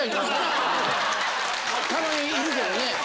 たまにいるけどね。